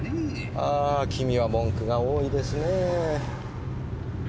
ああ君は文句が多いですねぇ。